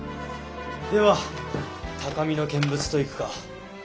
では高みの見物といくか。